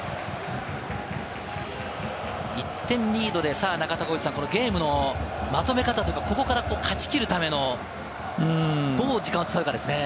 １点リードで中田さん、ゲームのまとめ方、ここから勝ち切るためのどう時間を使うかですね。